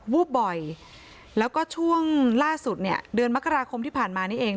วูบบ่อยแล้วก็ช่วงล่าสุดเนี่ยเดือนมกราคมที่ผ่านมานี่เอง